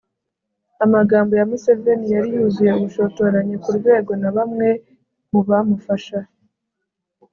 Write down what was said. amagambo ya museveni yari yuzuye ubushotoranyi ku rwego na bamwe mu bamufasha